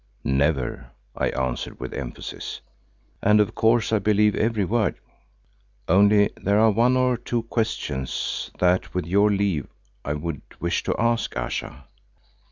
"Never," I answered with emphasis, "and of course I believe every word. Only there are one or two questions that with your leave I would wish to ask, Ayesha."